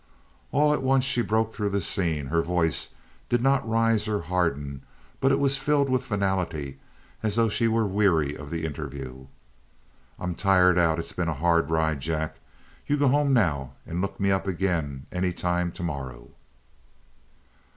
All at once she broke through the scene; her voice did not rise or harden, but it was filled with finality, as though she were weary of the interview. "I'm tired out; it's been a hard ride, Jack. You go home now and look me up again any time tomorrow."